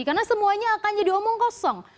karena semuanya akan jadi omong kosong